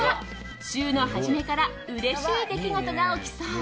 週の初めからうれしい出来事が起きそう。